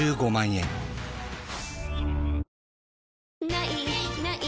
「ない！ない！